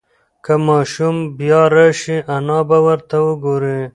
که ماشوم بیا راشي انا به ورته وگوري.